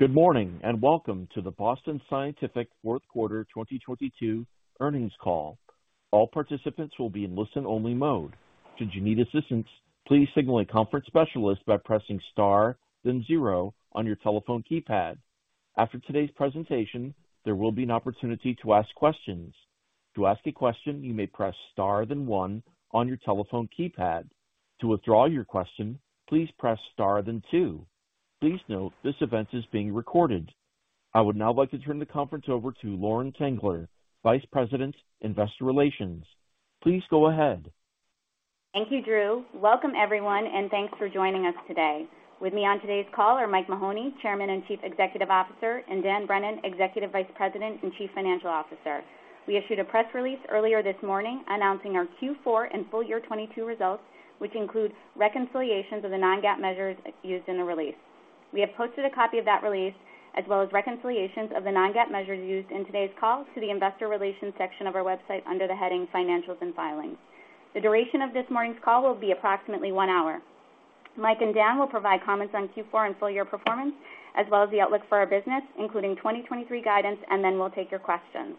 Good morning, and Welcome to the Boston Scientific 4th Quarter 2022 Earnings Call. All participants will be in listen-only mode. Should you need assistance, please signal a conference specialist by pressing star, then zero on your telephone keypad. After today's presentation, there will be an opportunity to ask questions. To ask a question, you may press star then one on your telephone keypad. To withdraw your question, please press star, then two. Please note this event is being recorded. I would now like to turn the conference over to Lauren Tengler, vice president, Investor Relations. Please go ahead. Thank you, Drew. Welcome, everyone, and thanks for joining us today. With me on today's call are Mike Mahoney, Chairman and Chief Executive Officer, and Dan Brennan, Executive Vice President and Chief Financial Officer. We issued a press release earlier this morning announcing our Q4 and full year 2022 results, which includes reconciliations of the non-GAAP measures used in the release. We have posted a copy of that release, as well as reconciliations of the non-GAAP measures used in today's call to the Investor Relations section of our website under the heading Financials and Filings. The duration of this morning's call will be approximately 1 hr. Mike and Dan will provide comments on Q4 and full year performance, as well as the outlook for our business, including 2023 guidance, and then we'll take your questions.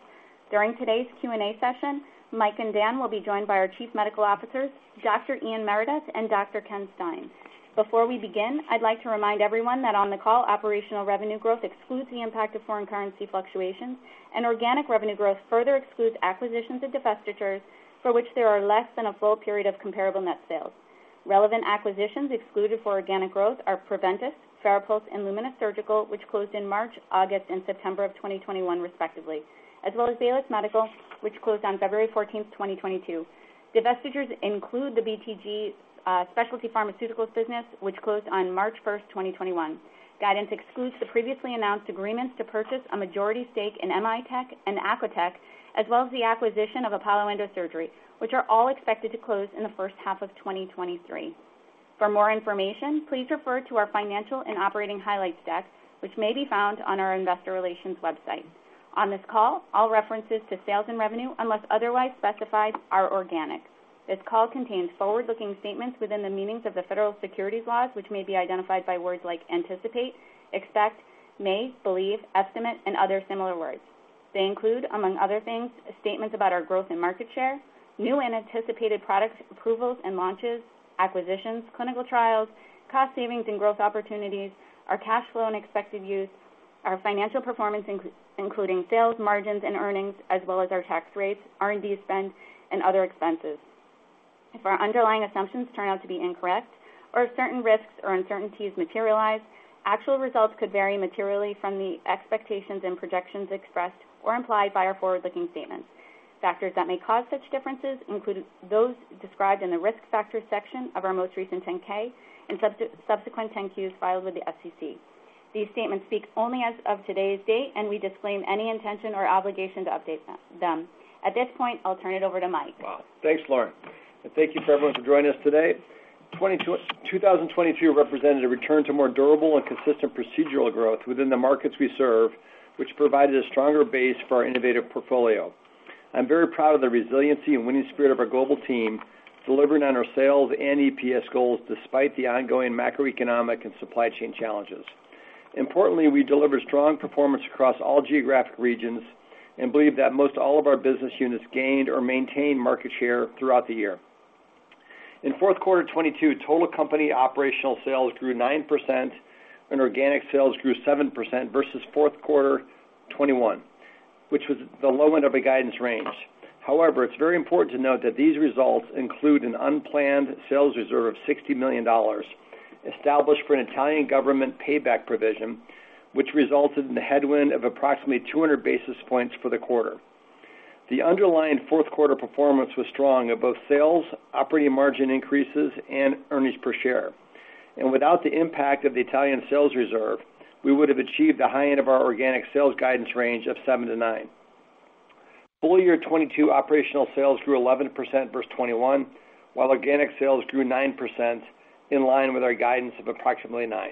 During today's Q&A session, Mike and Dan will be joined by our chief medical officers, Dr. Ian Meredith and Dr. Ken Stein. Before we begin, I'd like to remind everyone that on the call, operational revenue growth excludes the impact of foreign currency fluctuations, and organic revenue growth further excludes acquisitions and divestitures for which there are less than a full period of comparable net sales. Relevant acquisitions excluded for organic growth are Preventice, TheraSphere, and Lumenis Surgical, which closed in March, August, and September of 2021 respectively, as well as Baylis Medical, which closed on February 14th, 2022. Divestitures include the BTG Specialty Pharmaceuticals business, which closed on March 1st, 2021. Guidance excludes the previously announced agreements to purchase a majority stake in M.I.Tech and Acotec, as well as the acquisition of Apollo Endosurgery, which are all expected to close in the 1st half of 2023. For more information, please refer to our financial and operating highlight stack, which may be found on our investor relations website. On this call, all references to sales and revenue, unless otherwise specified, are organic. This call contains forward-looking statements within the meanings of the federal securities laws, which may be identified by words like anticipate, expect, may, believe, estimate, and other similar words. They include, among other things, statements about our growth and market share, new and anticipated product approvals and launches, acquisitions, clinical trials, cost savings and growth opportunities, our cash flow and expected use, our financial performance including sales, margins, and earnings, as well as our tax rates, R&D spend, and other expenses. If our underlying assumptions turn out to be incorrect or if certain risks or uncertainties materialize, actual results could vary materially from the expectations and projections expressed or implied by our forward-looking statements. Factors that may cause such differences include those described in the Risk Factors section of our most recent 10-K and subsequent 10-Qs filed with the SEC. These statements speak only as of today's date. We disclaim any intention or obligation to update them. At this point, I'll turn it over to Mike. Wow. Thanks, Lauren. Thank you to everyone for joining us today. 2022 represented a return to more durable and consistent procedural growth within the markets we serve, which provided a stronger base for our innovative portfolio. I'm very proud of the resiliency and winning spirit of our global team, delivering on our sales and EPS goals despite the ongoing macroeconomic and supply chain challenges. Importantly, I deliver strong performance across all geographic regions and believe that most all of our business units gained or maintained market share throughout the year. In 4th quarter 2022, total company operational sales grew 9%, and organic sales grew 7% versus 4th quarter 2021, which was the low end of a guidance range. It's very important to note that these results include an unplanned sales reserve of $60 million established for an Italian government payback provision, which resulted in a headwind of approximately 200 basis points for the quarter. The underlying 4th quarter performance was strong of both sales, operating margin increases, and earnings per share. Without the impact of the Italian sales reserve, we would have achieved the high end of our organic sales guidance range of 7%-9%. Full year 2022 operational sales grew 11% versus 2021, while organic sales grew 9% in line with our guidance of approximately 9%.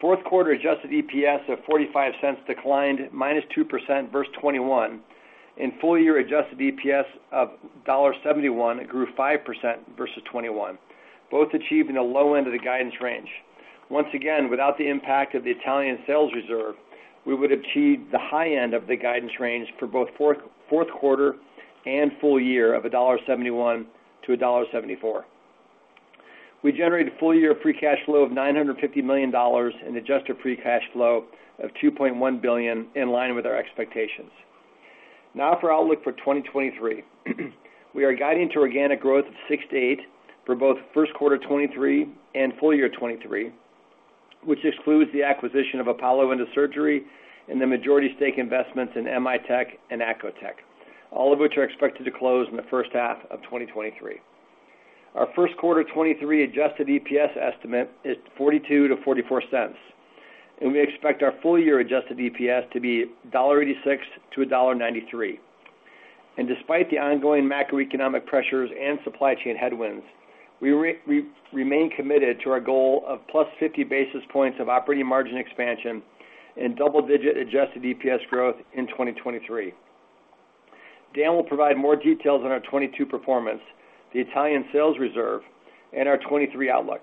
Fourth quarter adjusted EPS of $0.45 declined -2% versus 2021, and full year adjusted EPS of $1.71 grew 5% versus 2021, both achieving the low end of the guidance range. Once again, without the impact of the Italian sales reserve, we would achieve the high end of the guidance range for both 4th quarter and full year of $1.71-$1.74. We generated full year free cash flow of $950 million and adjusted free cash flow of $2.1 billion in line with our expectations. For our outlook for 2023. We are guiding to organic growth of 6%-8% for both 1st quarter 2023 and full year 2023, which excludes the acquisition of Apollo Endosurgery and the majority stake investments in M.I.Tech and Acotec, all of which are expected to close in the 1st half of 2023. Our 1st quarter 2023 adjusted EPS estimate is $0.42-$0.44, and we expect our full year adjusted EPS to be $1.86-$1.93. Despite the ongoing macroeconomic pressures and supply chain headwinds, we remain committed to our goal of +50 basis points of operating margin expansion and double-digit adjusted EPS growth in 2023. Dan will provide more details on our 2022 performance, the Italian sales reserve, and our 2023 outlook.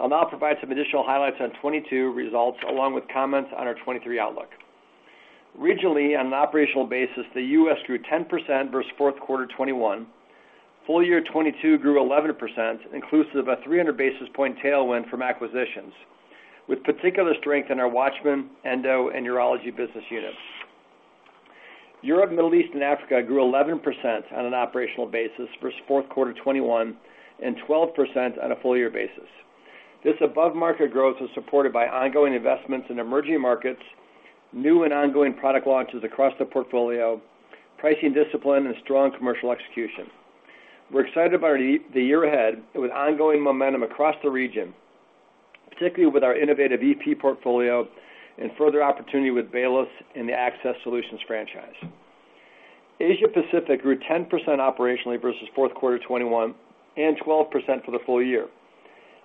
I'll now provide some additional highlights on 2022 results along with comments on our 2023 outlook. Regionally, on an operational basis, the U.S. grew 10% versus 4th quarter 2021. Full year 2022 grew 11%, inclusive of a 300 basis point tailwind from acquisitions, with particular strength in our WATCHMAN, Endo and Urology business units. Europe, Middle East, and Africa grew 11% on an operational basis versus 4th quarter 2021 and 12% on a full year basis. This above-market growth was supported by ongoing investments in emerging markets, new and ongoing product launches across the portfolio, pricing discipline and strong commercial execution. We're excited about the year ahead with ongoing momentum across the region, particularly with our innovative EP portfolio and further opportunity with Baylis in the access solutions franchise. Asia Pacific grew 10% operationally versus 4th quarter 2021 and 12% for the full year.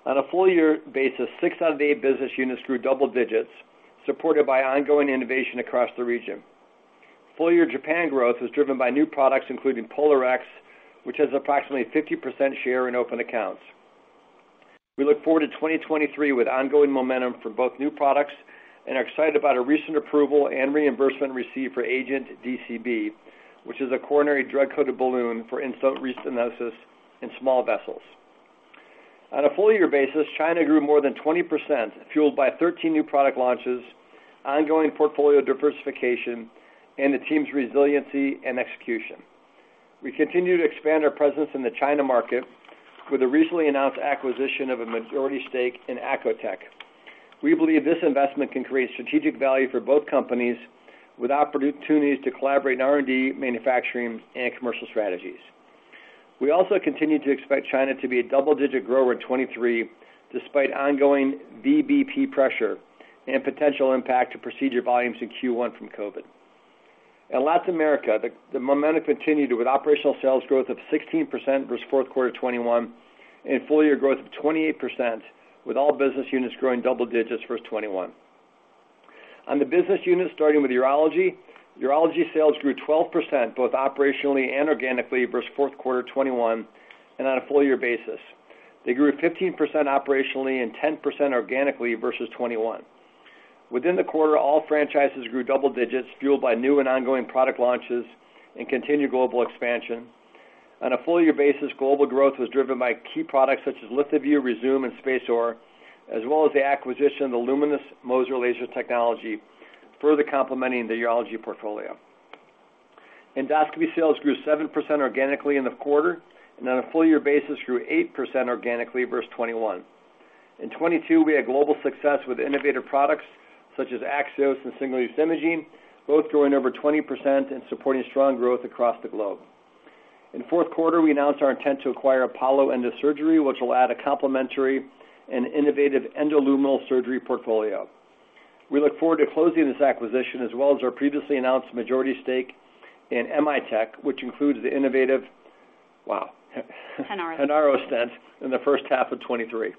On a full year basis, six out of eight business units grew double digits, supported by ongoing innovation across the region. Full year Japan growth was driven by new products, including POLARx, which has approximately 50% share in open accounts. We look forward to 2023 with ongoing momentum for both new products and are excited about a recent approval and reimbursement received for AGENT DCB, which is a coronary drug-coated balloon for in-sitent restenosis in small vessels. On a full year basis, China grew more than 20%, fueled by 13 new product launches, ongoing portfolio diversification, and the team's resiliency and execution. We continue to expand our presence in the China market with the recently announced acquisition of a majority stake in Acotec. We believe this investment can create strategic value for both companies with opportunities to collaborate in R&D, manufacturing, and commercial strategies. We also continue to expect China to be a double-digit grower in 23 despite ongoing VBP pressure and potential impact to procedure volumes in Q1 from COVID. In Latin America, the momentum continued with operational sales growth of 16% versus 4th quarter 2021 and full year growth of 28%, with all business units growing double digits versus 2021. On the business units, starting with Urology sales grew 12% both operationally and organically versus 4th quarter 2021 and on a full year basis. They grew 15% operationally and 10% organically versus 2021. Within the quarter, all franchises grew double digits, fueled by new and ongoing product launches and continued global expansion. On a full year basis, global growth was driven by key products such as LithoVue, Rezūm, and SpaceOAR, as well as the acquisition of the Lumenis MOSES laser technology, further complementing the Urology portfolio. Endoscopy sales grew 7% organically in the quarter, and on a full year basis, grew 8% organically versus 2021. In 2022, we had global success with innovative products such as AXIOS and Single-Use Imaging, both growing over 20% and supporting strong growth across the globe. In 4th quarter, we announced our intent to acquire Apollo Endosurgery, which will add a complementary and innovative endoluminal surgery portfolio. We look forward to closing this acquisition as well as our previously announced majority stake in M.I.Tech, which includes the innovative... Wow. HANARO... HANAROSTENT in the 1st half of 2023.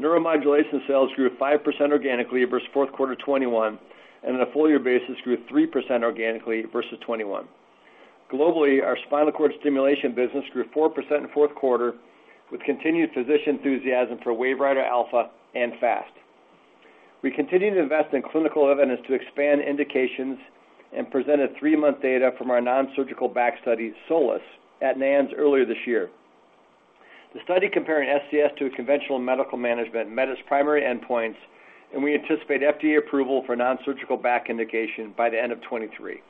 Neuromodulation sales grew 5% organically versus 4Q 2021, and on a full year basis, grew 3% organically versus 2021. Globally, our spinal cord stimulation business grew 4% in 4Q with continued physician enthusiasm for WaveWriter Alpha and FAST. We continue to invest in clinical evidence to expand indications and present a three month data from our nonsurgical back study, SOLACE, at NANS earlier this year. The study comparing SCS to a conventional medical management met its primary endpoints, and we anticipate FDA approval for nonsurgical back indication by the end of 2023.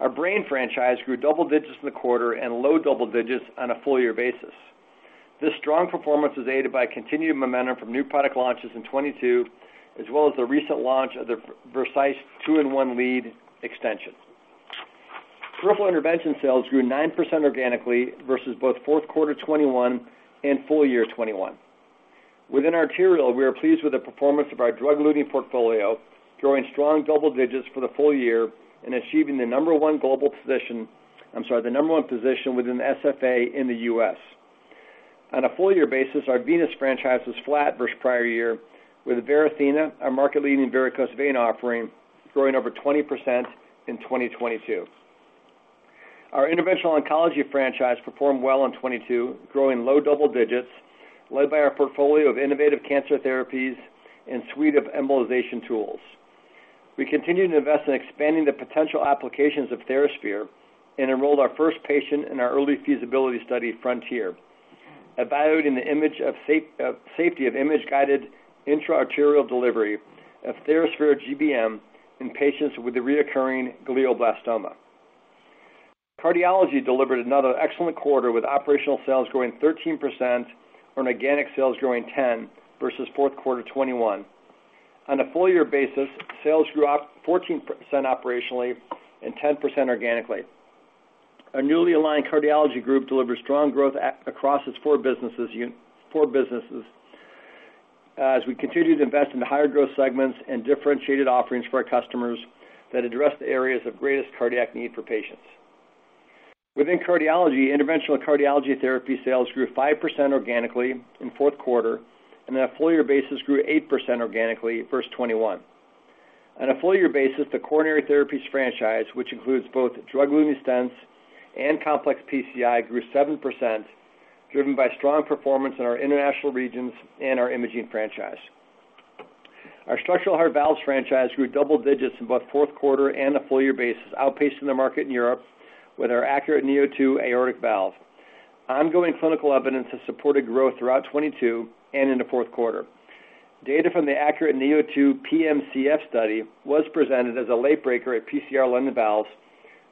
Our brain franchise grew double digits in the quarter and low double digits on a full year basis. This strong performance was aided by continued momentum from new product launches in 2022 as well as the recent launch of the Vercise two-in-one lead extension. Peripheral intervention sales grew 9% organically versus both 4th quarter 2021 and full year 2021. Within arterial, we are pleased with the performance of our drug-eluting portfolio, growing strong double digits for the full year and achieving the number one position within the SFA in the U.S. On a full year basis, our Venus franchise was flat versus prior year, with Varithena, our market-leading varicose vein offering, growing over 20% in 2022. Our interventional oncology franchise performed well in 2022, growing low double digits, led by our portfolio of innovative cancer therapies and suite of embolization tools. We continue to invest in expanding the potential applications of TheraSphere and enrolled our 1st patient in our early feasibility study, FRONTIER, evaluating of safety of image-guided intra-arterial delivery of TheraSphere GBM in patients with reoccurring glioblastoma. Cardiology delivered another excellent quarter with operational sales growing 13% on organic sales growing 10% versus 4th quarter 2021. On a full year basis, sales grew 14% operationally and 10% organically. Our newly aligned cardiology group delivered strong growth across its four businesses as we continue to invest in the higher growth segments and differentiated offerings for our customers that address the areas of greatest cardiac need for patients. Within cardiology, interventional cardiology therapy sales grew 5% organically in 4th quarter, and on a full year basis grew 8% organically versus 2021. On a full year basis, the coronary therapies franchise, which includes both drug-eluting stents and complex PCI, grew 7%, driven by strong performance in our international regions and our imaging franchise. Our structural heart valves franchise grew double digits in both 4th quarter and a full year basis, outpacing the market in Europe with our ACURATE neo2 Aortic Valve. Ongoing clinical evidence has supported growth throughout 2022 and in the 4th quarter. Data from the ACURATE neo2 PMCF study was presented as a late-breaker at PCR London Valves,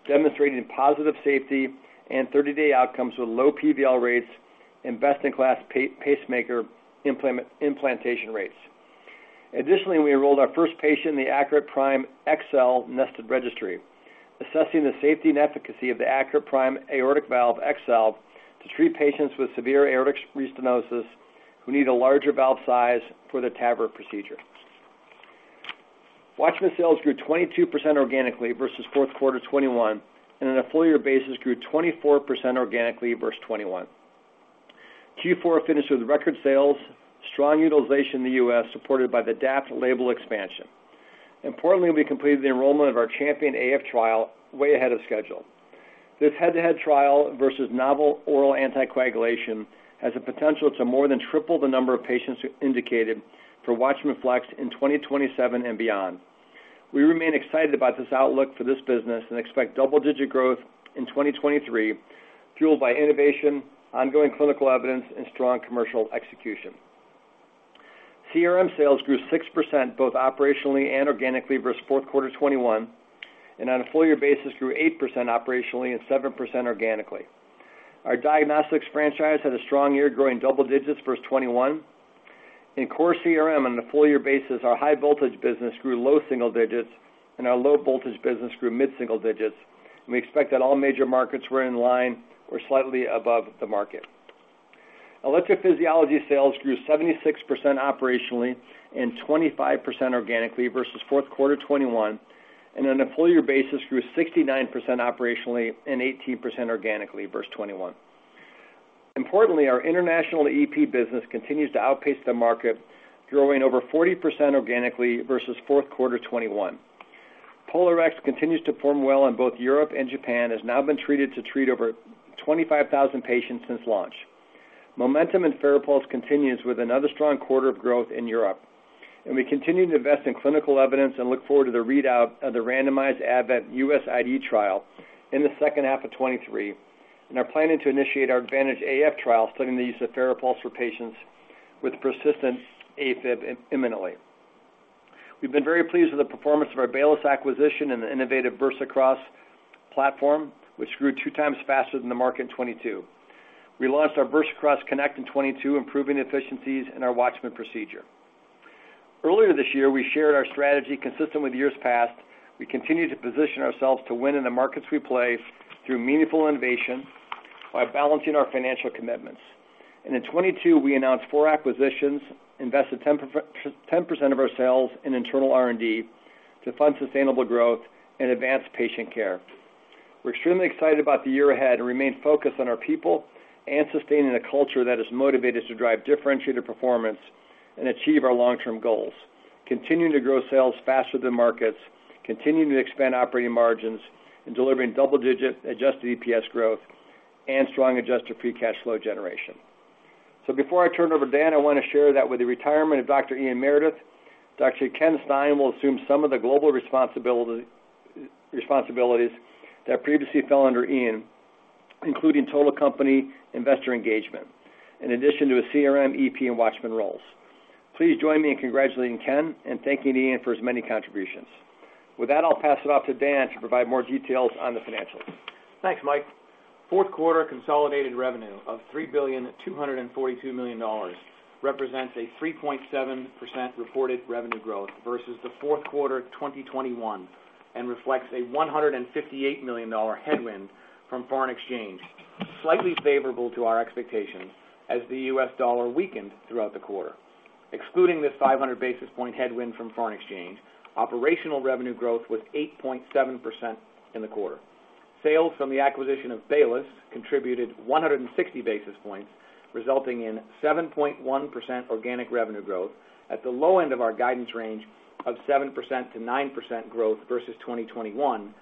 demonstrating positive safety and 30-day outcomes with low PVL rates and best-in-class pacemaker implantation rates. Additionally, we enrolled our 1st patient in the ACURATE Prime XL Nested Registry, assessing the safety and efficacy of the ACURATE Prime Aortic Valve XL to treat patients with severe aortic restenosis who need a larger valve size for their TAVR procedure. WATCHMAN sales grew 22% organically versus 4th quarter 2021. On a full year basis grew 24% organically versus 2021. Q4 finished with record sales, strong utilization in the U.S., supported by the DAPT label expansion. Importantly, we completed the enrollment of our CHAMPION-AF trial way ahead of schedule. This head-to-head trial versus novel oral anticoagulants has the potential to more than triple the number of patients indicated for WATCHMAN FLX in 2027 and beyond. We remain excited about this outlook for this business and expect double-digit growth in 2023, fueled by innovation, ongoing clinical evidence and strong commercial execution. CRM sales grew 6% both operationally and organically versus 4th quarter 2021, and on a full year basis grew 8% operationally and 7% organically. Our diagnostics franchise had a strong year growing double digits versus 2021. In core CRM on a full year basis, our high voltage business grew low single digits and our low voltage business grew mid-single digits. We expect that all major markets were in line or slightly above the market. Electrophysiology sales grew 76% operationally and 25% organically versus Q4 2021. On a full year basis grew 69% operationally and 18% organically versus 2021. Importantly, our international EP business continues to outpace the market, growing over 40% organically versus Q4 2021. POLARx continues to perform well in both Europe and Japan, has now been treated to treat over 25,000 patients since launch. Momentum in FARAPULSE continues with another strong quarter of growth in Europe. We continue to invest in clinical evidence and look forward to the readout of the randomized ADVENT U.S. IDE trial in the 2nd half of 2023. We are planning to initiate our ADVANTAGE AF trial studying the use of FARAPULSE for patients with persistent AFib imminently. We've been very pleased with the performance of our Baylis acquisition and the innovative VersaCross platform, which grew two times faster than the market in 2022. We launched our VersaCross Connect in 2022, improving efficiencies in our WATCHMAN procedure. Earlier this year, we shared our strategy consistent with years past. We continue to position ourselves to win in the markets we play through meaningful innovation by balancing our financial commitments. In 2022, we announced four acquisitions, invested 10% of our sales in internal R&D to fund sustainable growth and advance patient care. We're extremely excited about the year ahead and remain focused on our people and sustaining a culture that is motivated to drive differentiated performance and achieve our long-term goals. Continuing to grow sales faster than markets, continuing to expand operating margins and delivering double-digit adjusted EPS growth and strong adjusted free cash flow generation. Before I turn it over to Dan, I want to share that with the retirement of Dr. Ian Meredith, Dr. Ken Stein will assume some of the global responsibilities that previously fell under Ian, including total company investor engagement, in addition to his CRM, EP, and WATCHMAN roles. Please join me in congratulating Ken and thanking Ian for his many contributions. With that, I'll pass it off to Dan to provide more details on the financials. Thanks, Mike. Fourth quarter consolidated revenue of $3,242 billion represents a 3.7% reported revenue growth versus the 4th quarter 2021 and reflects a $158 million headwind from foreign exchange, slightly favorable to our expectations as the U.S. dollar weakened throughout the quarter. Excluding this 500 basis point headwind from foreign exchange, operational revenue growth was 8.7% in the quarter. Sales from the acquisition of Baylis contributed 160 basis points, resulting in 7.1% organic revenue growth at the low end of our guidance range of 7%-9% growth versus 2021,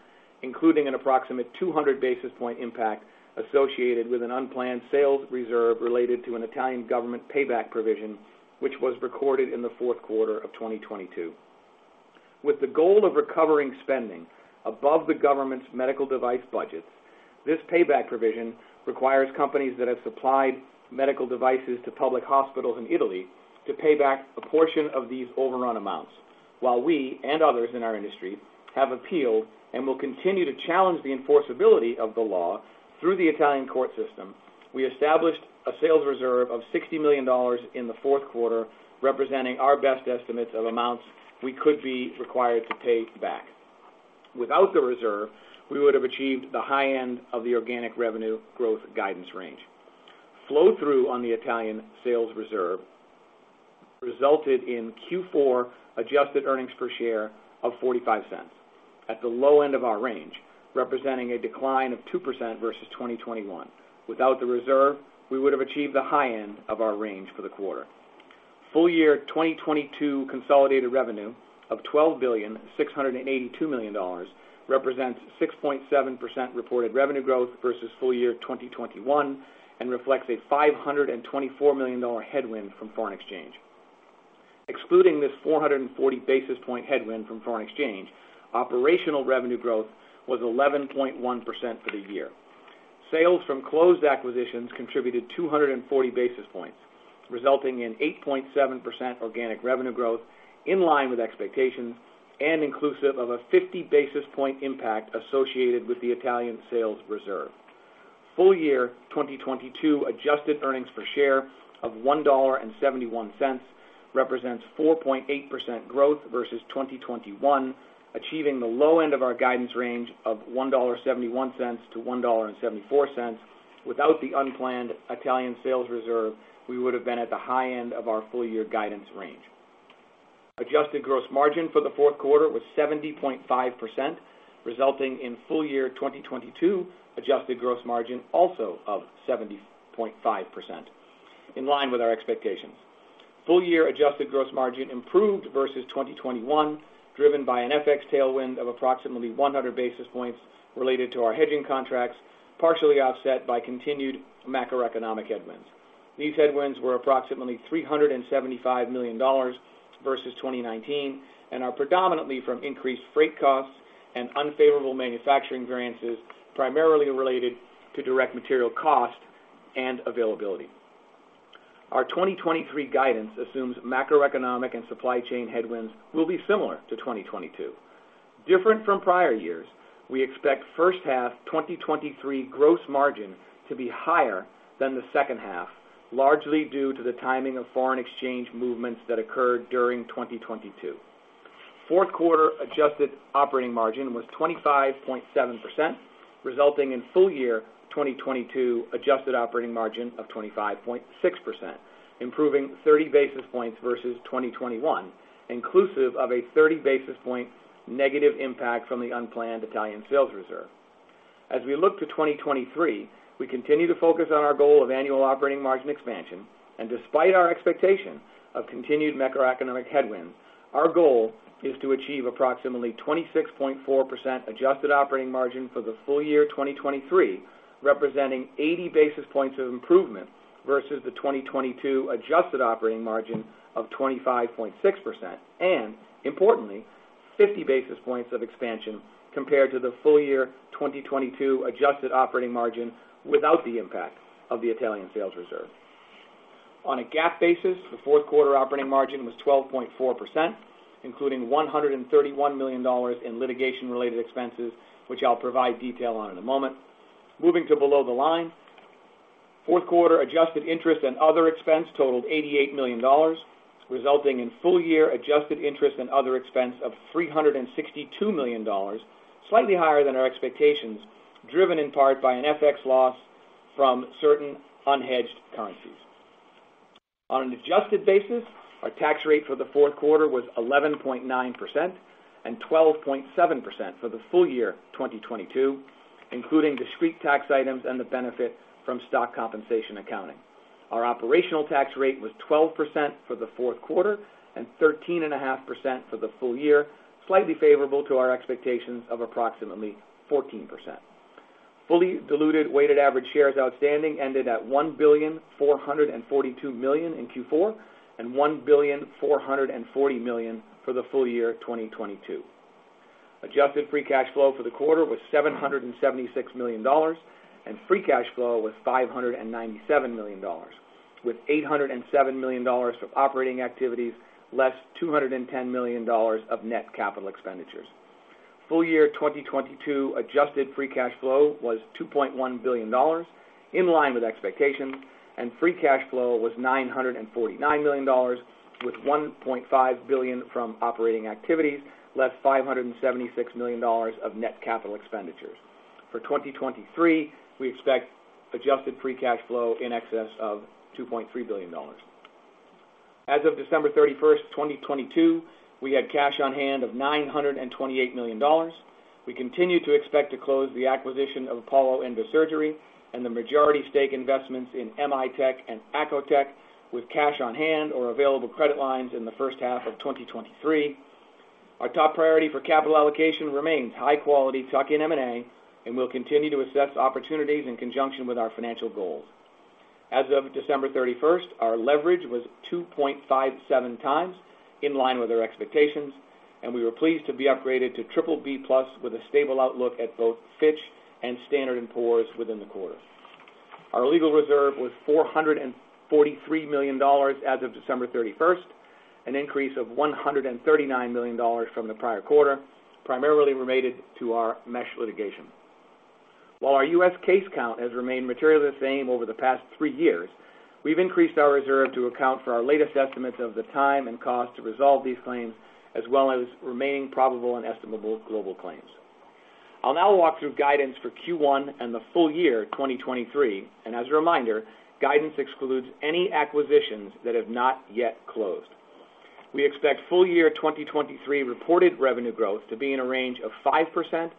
including an approximate 200 basis point impact associated with an unplanned sales reserve related to an Italian government payback provision, which was recorded in the 4th quarter of 2022. With the goal of recovering spending above the government's medical device budgets, this payback provision requires companies that have supplied medical devices to public hospitals in Italy to pay back a portion of these overrun amounts. While we and others in our industry have appealed and will continue to challenge the enforceability of the law through the Italian court system, we established a sales reserve of $60 million in the 4th quarter, representing our best estimates of amounts we could be required to pay back. Without the reserve, we would have achieved the high end of the organic revenue growth guidance range. Flow-through on the Italian sales reserve resulted in Q4 adjusted earnings per share of $0.45 at the low end of our range, representing a decline of 2% versus 2021. Without the reserve, we would have achieved the high end of our range for the quarter. Full year 2022 consolidated revenue of $12,682 billion represents 6.7% reported revenue growth versus full year 2021 and reflects a $524 million headwind from foreign exchange. Excluding this 440 basis point headwind from foreign exchange, operational revenue growth was 11.1% for the year. Sales from closed acquisitions contributed 240 basis points, resulting in 8.7% organic revenue growth in line with expectations and inclusive of a 50 basis point impact associated with the Italian sales reserve. Full year 2022 adjusted earnings per share of $1.71 represents 4.8% growth versus 2021, achieving the low end of our guidance range of $1.71-$1.74. Without the unplanned Italian sales reserve, we would have been at the high end of our full year guidance range. Adjusted gross margin for the 4th quarter was 70.5%, resulting in full year 2022 adjusted gross margin also of 70.5%, in line with our expectations. Full year adjusted gross margin improved versus 2021, driven by an FX tailwind of approximately 100 basis points related to our hedging contracts, partially offset by continued macroeconomic headwinds. These headwinds were approximately $375 million versus 2019 and are predominantly from increased freight costs and unfavorable manufacturing variances, primarily related to direct material cost and availability. Our 2023 guidance assumes macroeconomic and supply chain headwinds will be similar to 2022. Different from prior years, we expect 1st half 2023 gross margin to be higher than the 2nd half, largely due to the timing of foreign exchange movements that occurred during 2022. Fourth quarter adjusted operating margin was 25.7%, resulting in full year 2022 adjusted operating margin of 25.6%, improving 30 basis points versus 2021, inclusive of a 30 basis point negative impact from the unplanned Italian sales reserve. As we look to 2023, we continue to focus on our goal of annual operating margin expansion. Despite our expectation of continued macroeconomic headwind, our goal is to achieve approximately 26.4% adjusted operating margin for the full year 2023, representing 80 basis points of improvement versus the 2022 adjusted operating margin of 25.6%. Importantly, 50 basis points of expansion compared to the full year 2022 adjusted operating margin without the impact of the Italian sales reserve. On a GAAP basis, the 4th quarter operating margin was 12.4%, including $131 million in litigation related expenses, which I'll provide detail on in a moment. Moving to below the line, 4th quarter adjusted interest and other expense totaled $88 million, resulting in full year adjusted interest and other expense of $362 million, slightly higher than our expectations, driven in part by an FX loss from certain unhedged currencies. On an adjusted basis, our tax rate for the 4th quarter was 11.9% and 12.7% for the full year 2022, including discrete tax items and the benefit from stock compensation accounting. Our operational tax rate was 12% for the 4th quarter and 13.5% for the full year, slightly favorable to our expectations of approximately 14%. Fully diluted weighted average shares outstanding ended at 1,442 billion in Q4 and 1,440 billion for the full year 2022. Adjusted free cash flow for the quarter was $776 million. Free cash flow was $597 million, with $807 million of operating activities, less $210 million of net capital expenditures. Full year 2022 adjusted free cash flow was $2.1 billion, in line with expectations. Free cash flow was $949 million, with $1.5 billion from operating activities, less $576 million of net capital expenditures. For 2023, we expect adjusted free cash flow in excess of $2.3 billion. As of December 31st, 2022, we had cash on hand of $928 million. We continue to expect to close the acquisition of Apollo Endosurgery and the majority stake investments in M.I.Tech and Acotec with cash on hand or available credit lines in the 1st half of 2023. Our top priority for capital allocation remains high quality tuck-in M&A, we'll continue to assess opportunities in conjunction with our financial goals. As of December 31st, our leverage was 2.57x, in line with our expectations, we were pleased to be upgraded to BBB+ with a stable outlook at both Fitch and Standard & Poor's within the quarter. Our legal reserve was $443 million as of December 31st, an increase of $139 million from the prior quarter, primarily related to our mesh litigation. While our U.S. case count has remained materially the same over the past three years, we've increased our reserve to account for our latest estimates of the time and cost to resolve these claims, as well as remaining probable and estimable global claims. I'll now walk through guidance for Q1 and the full year 2023. As a reminder, guidance excludes any acquisitions that have not yet closed. We expect full year 2023 reported revenue growth to be in a range of 5%-7%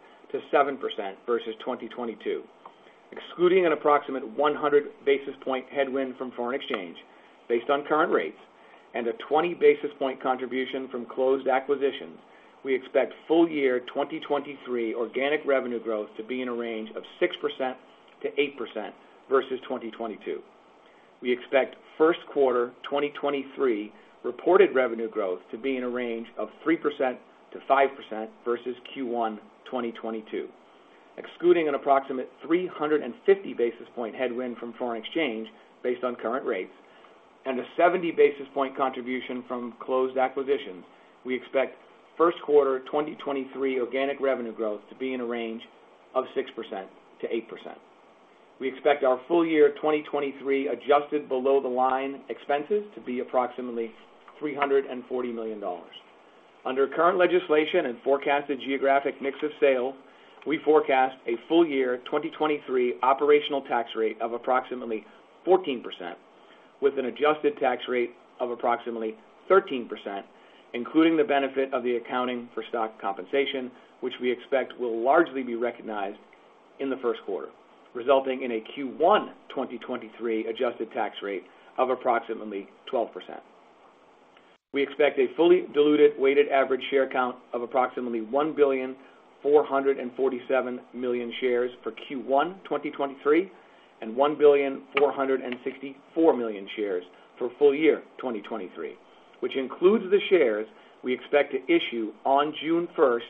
versus 2022. Excluding an approximate 100 basis point headwind from foreign exchange based on current rates and a 20 basis point contribution from closed acquisitions, we expect full year 2023 organic revenue growth to be in a range of 6%-8% versus 2022. We expect 1st quarter 2023 reported revenue growth to be in a range of 3%-5% versus Q1 2022. Excluding an approximate 350 basis point headwind from foreign exchange based on current rates and a 70 basis point contribution from closed acquisitions, we expect 1st quarter 2023 organic revenue growth to be in a range of 6%-8%. We expect our full year 2023 adjusted below-the-line expenses to be approximately $340 million. Under current legislation and forecasted geographic mix of sale, we forecast a full year 2023 operational tax rate of approximately 14%, with an adjusted tax rate of approximately 13%, including the benefit of the accounting for stock compensation, which we expect will largely be recognized in the 1st quarter, resulting in a Q1 2023 adjusted tax rate of approximately 12%. We expect a fully diluted weighted average share count of approximately 1,447 billion shares for Q1 2023 and 1,464 billion shares for full year 2023, which includes the shares we expect to issue on June 1st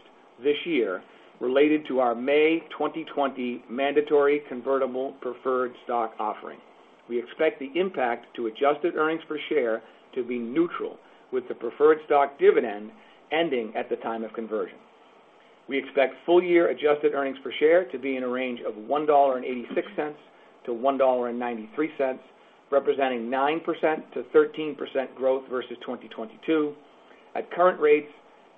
this year related to our May 2020 mandatory convertible preferred stock offering. We expect the impact to adjusted EPS to be neutral, with the preferred stock dividend ending at the time of conversion. We expect full year adjusted earnings per share to be in a range of $1.86-$1.93, representing 9%-13% growth versus 2022. At current rates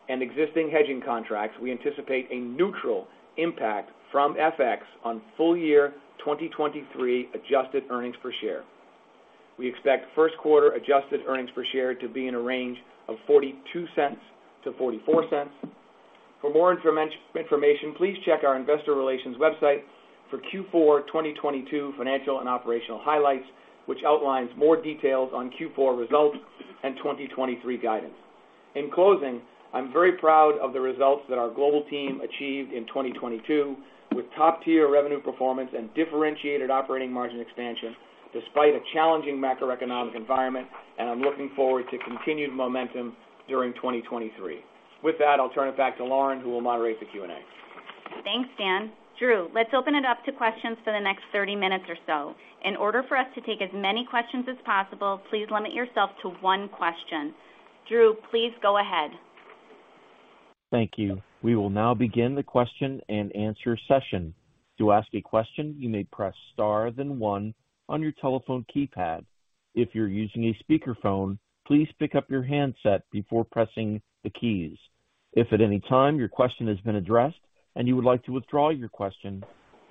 and existing hedging contracts, we anticipate a neutral impact from FX on full year 2023 adjusted earnings per share. We expect 1st quarter adjusted earnings per share to be in a range of $0.42-$0.44. For more information, please check our investor relations website for Q4 2022 financial and operational highlights, which outlines more details on Q4 results and 2023 guidance. In closing, I'm very proud of the results that our global team achieved in 2022, with top-tier revenue performance and differentiated operating margin expansion despite a challenging macroeconomic environment. I'm looking forward to continued momentum during 2023. With that, I'll turn it back to Lauren, who will moderate the Q&A. Thanks, Dan. Drew, let's open it up to questions for the next 30 min or so. In order for us to take as many questions as possible, please limit yourself to one question. Drew, please go ahead. Thank you. We will now begin the question-and-answer session. To ask a question, you may press star than one on your telephone keypad. If you're using a speakerphone, please pick up your handset before pressing the keys. If at any time your question has been addressed and you would like to withdraw your question,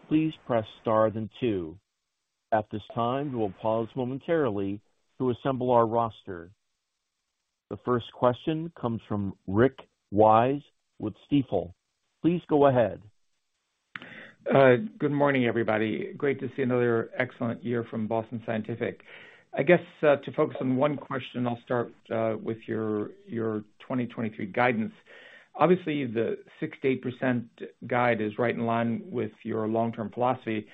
please press star than two. At this time, we will pause momentarily to assemble our roster. The 1st question comes from Rick Wise with Stifel. Please go ahead. Good morning, everybody. Great to see another excellent year from Boston Scientific. I guess, to focus on one question, I'll start with your 2023 guidance. Obviously, the 6%-8% guide is right in line with your long-term philosophy.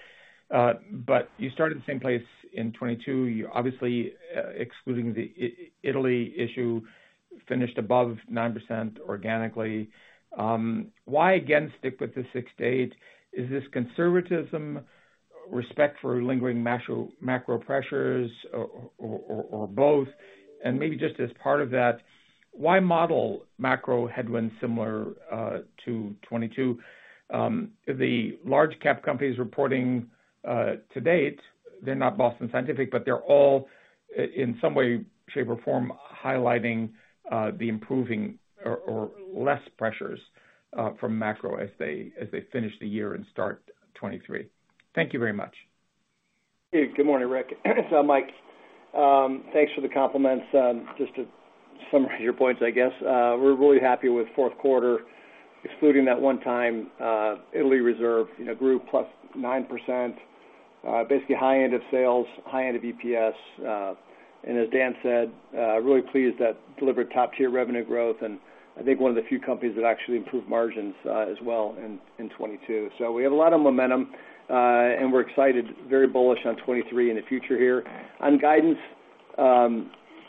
You started the same place in 2022. You're obviously, excluding the Italy issue, finished above 9% organically. Why again stick with the 6%-8%? Is this conservatism respect for lingering macro pressures or both? Maybe just as part of that, why model macro headwinds similar to 2022? The large cap companies reporting to date, they're not Boston Scientific, they're all in some way, shape, or form highlighting the improving or less pressures from macro as they finish the year and start 2023. Thank you very much. Hey, good morning, Rick. Mike, thanks for the compliments. Just to summarize your points, I guess, we're really happy with 4th quarter, excluding that 1 time Italy reserve, you know, grew +9%, basically high end of sales, high end of EPS. As Dan said, really pleased that delivered top tier revenue growth, and I think one of the few companies that actually improved margins as well in 2022. We have a lot of momentum, and we're excited, very bullish on 2023 and the future here. Guidance,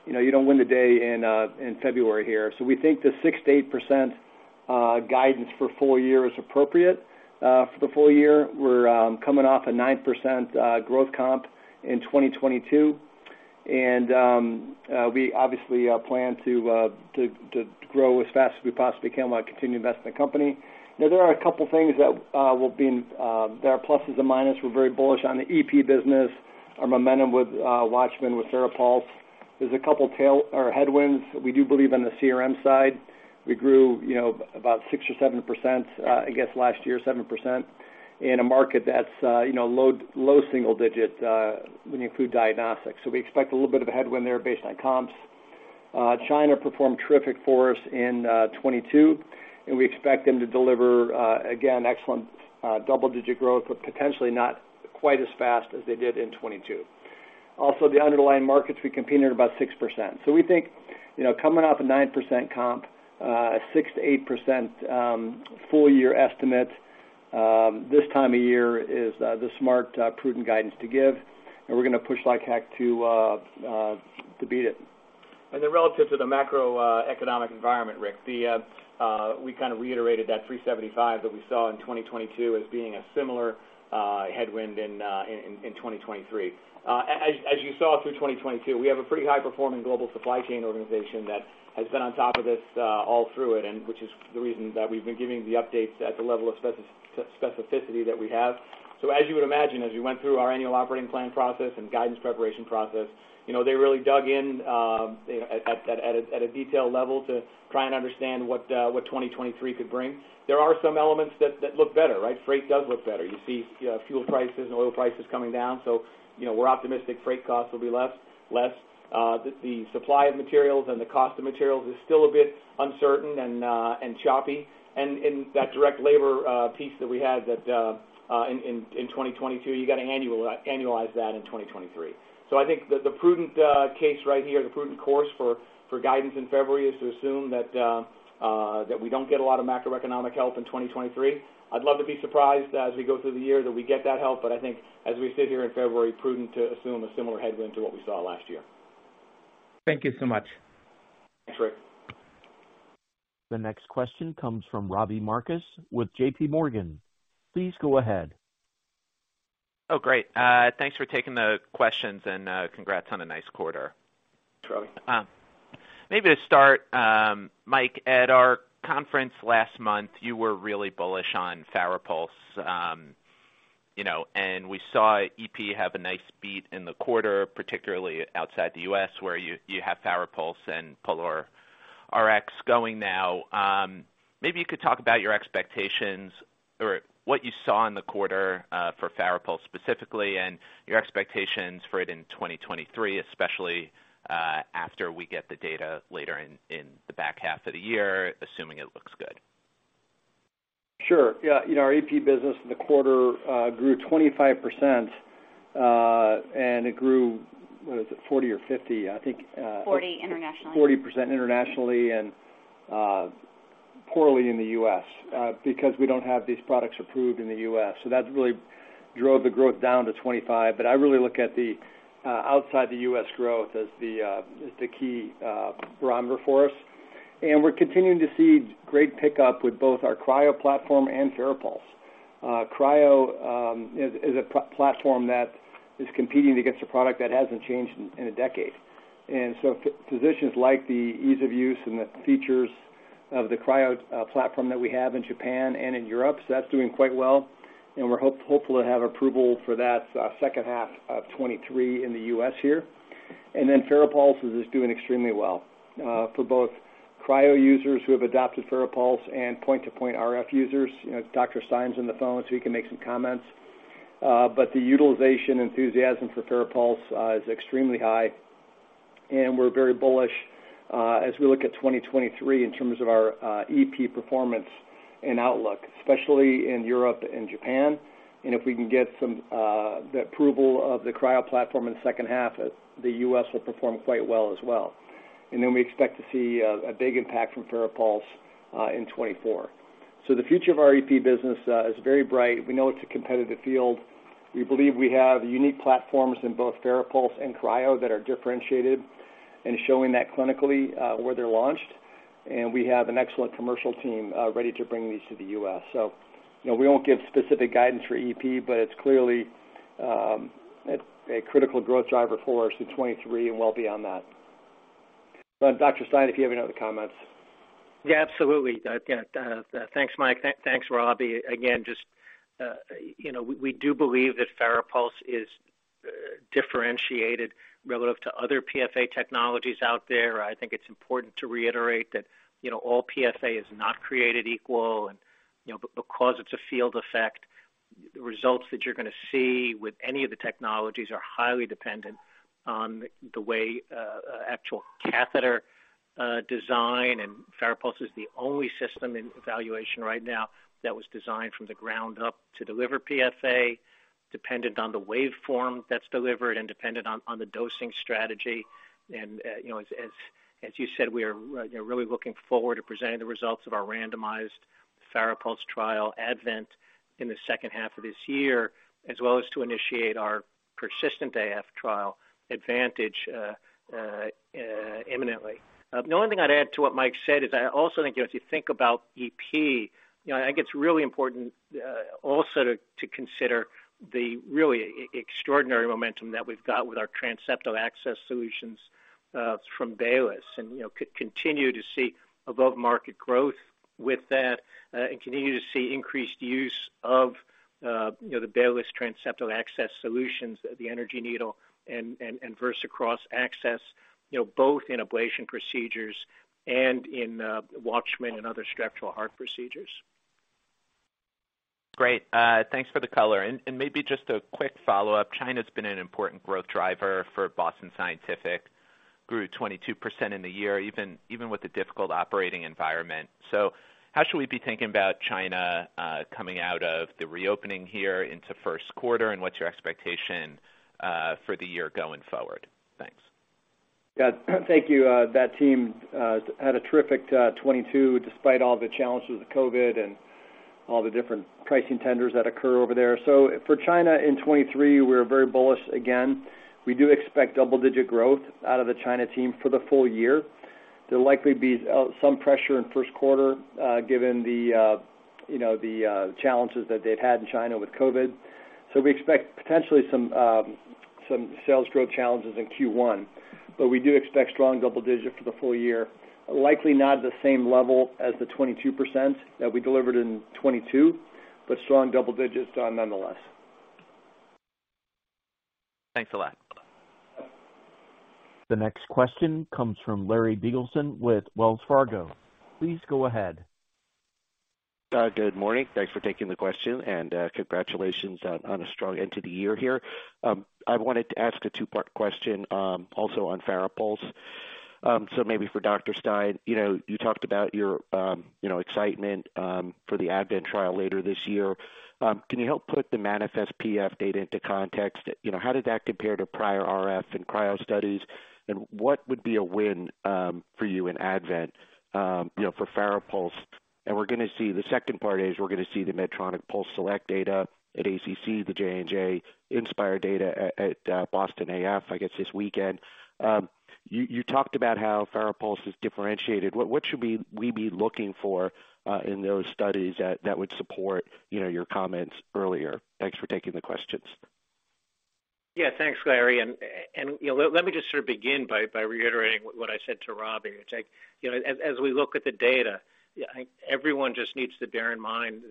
you know, you don't win the day in February here, we think the 6%-8% guidance for full year is appropriate. For the full year, we're coming off a 9% growth comp in 2022. We obviously plan to grow as fast as we possibly can while continuing to invest in the company. You know, there are a couple things that will be, there are pluses and minus. We're very bullish on the EP business, our momentum with WATCHMAN with FARAPULSE There's a couple tail or headwinds. We do believe on the CRM side, we grew, you know, about 6% or 7%, I guess last year, 7% in a market that's, you know, low, low single digits, when you include diagnostics. We expect a little bit of a headwind there based on comps. China performed terrific for us in 2022, and we expect them to deliver, again, excellent, double-digit growth, but potentially not quite as fast as they did in 2022. Also, the underlying markets we compete in are about 6%. We think, you know, coming off a 9% comp, a 6%-8% full year estimate, this time of year is the smart, prudent guidance to give. We're going to push like heck to beat it. Relative to the macroeconomic environment, Rick, we kind of reiterated that 375 that we saw in 2022 as being a similar headwind in 2023. As you saw through 2022, we have a pretty high performing global supply chain organization that has been on top of this all through it, and which is the reason that we've been giving the updates at the level of spec-specificity that we have. As you would imagine, as we went through our annual operating plan process and guidance preparation process, you know, they really dug in at a detailed level to try and understand what 2023 could bring. There are some elements that look better, right? Freight does look better. You see, you know, fuel prices and oil prices coming down, so, you know, we're optimistic freight costs will be less. The supply of materials and the cost of materials is still a bit uncertain and choppy. That direct labor piece that we had that in 2022, you got to annualize that in 2023. I think the prudent case right here, the prudent course for guidance in February is to assume that we don't get a lot of macroeconomic help in 2023. I'd love to be surprised as we go through the year that we get that help, but I think as we sit here in February, prudent to assume a similar headwind to what we saw last year. Thank you so much. Thanks, Rick. The next question comes from Robbie Marcus with J.P. Morgan. Please go ahead. Oh, great. thanks for taking the questions and congrats on a nice quarter. Thanks, Rabbi. Maybe to start, Mike, at our conference last month, you were really bullish on FARAPULSE. You know, we saw EP have a nice beat in the quarter, particularly outside the U.S. where you have FARAPULSE and POLARx going now. Maybe you could talk about your expectations or what you saw in the quarter, for FARAPULSE specifically and your expectations for it in 2023, especially after we get the data later in the back half of the year, assuming it looks good. Sure. Yeah. You know, our EP business in the quarter grew 25%, and it grew, what is it, 40% or 50%? I think. 40% internationally. 40% internationally, poorly in the U.S. because we don't have these products approved in the U.S. That really drove the growth down to 25%. I really look at the outside the U.S. growth as the key barometer for us. We're continuing to see great pickup with both our Cryo platform and FARAPULSE. Cryo is a platform that is competing against a product that hasn't changed in a decade. Physicians like the ease of use and the features of the Cryo platform that we have in Japan and in Europe. That's doing quite well. We're hopeful to have approval for that 2nd half of 2023 in the U.S. here. FARAPULSE is just doing extremely well for both Cryo users who have adopted FARAPULSE and point-to-point RF users. You know, Dr. Stein's on the phone, so he can make some comments. The utilization enthusiasm for FARAPULSE is extremely high, and we're very bullish as we look at 2023 in terms of our EP performance and outlook, especially in Europe and Japan. If we can get some the approval of the Cryo platform in the 2nd half, the U.S. will perform quite well as well. We expect to see a big impact from FARAPULSE in 2024. The future of our EP business is very bright. We know it's a competitive field. We believe we have unique platforms in both FARAPULSE and Cryo that are differentiated and showing that clinically where they're launched. We have an excellent commercial team ready to bring these to the U.S. You know, we won't give specific guidance for EP, but it's clearly a critical growth driver for us in 2023 and well beyond that. Dr. Ken Stein, if you have any other comments. Yeah, absolutely. Again, thanks, Mike. Thanks, Robbie. Again, just, you know, we do believe that FARAPULSE is differentiated relative to other PFA technologies out there. I think it's important to reiterate that, you know, all PFA is not created equal. You know, because it's a field effect, results that you're going to see with any of the technologies are highly dependent on the way, actual catheter design. FARAPULSE is the only system in evaluation right now that was designed from the ground up to deliver PFA, dependent on the waveform that's delivered and dependent on the dosing strategy. You know, as you said, we are, you know, really looking forward to presenting the results of our randomized FARAPULSE trial ADVENT in the 2nd half of this year, as well as to initiate our persistent AF trial Advantage imminently. The only thing I'd add to what Mike said is I also think if you think about EP, you know, I think it's really important also to consider the really extraordinary momentum that we've got with our transseptal access solutions from Baylis. You know, continue to see above market growth with that and continue to see increased use of, you know, the Baylis transseptal access solutions, the energy needle and VersaCross access, you know, both in ablation procedures and in WATCHMAN and other structural heart procedures. Great. Thanks for the color. Maybe just a quick follow-up. China's been an important growth driver for Boston Scientific. Grew 22% in the year, even with the difficult operating environment. How should we be thinking about China, coming out of the reopening here into 1st quarter, and what's your expectation for the year going forward? Thanks. Yeah. Thank you. That team had a terrific 2022 despite all the challenges of COVID and all the different pricing tenders that occur over there. For China in 2023, we're very bullish. Again, we do expect double-digit growth out of the China team for the full year. There'll likely be some pressure in 1st quarter given the, you know, the challenges that they've had in China with COVID. We expect potentially some sales growth challenges in Q1. We do expect strong double-digit for the full year. Likely not the same level as the 22% that we delivered in 2022, but strong double digits nonetheless. Thanks a lot. The next question comes from Larry Biegelsen with Wells Fargo. Please go ahead. Good morning. Thanks for taking the question, and congratulations on a strong end to the year here. I wanted to ask a two-part question, also on FARAPULSE. Maybe for Dr. Stein. You know, you talked about your, you know, excitement for the ADVENT trial later this year. Can you help put the MANIFEST-PF data into context? You know, how did that compare to prior RF and cryo studies, and what would be a win for you in ADVENT, you know, for FARAPULSE? The 2nd part is we're gonna see the Medtronic PulseSelect data at ACC, the J&J inspIRE data at Boston AF, I guess, this weekend. You talked about how FARAPULSE is differentiated. What should we be looking for, in those studies that would support, you know, your comments earlier? Thanks for taking the questions. Yeah. Thanks, Larry. You know, let me just sort of begin by reiterating what I said to Robbie. It's like, you know, as we look at the data, I think everyone just needs to bear in mind